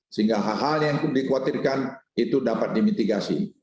sehingga hal hal yang dikhawatirkan itu dapat dimitigasi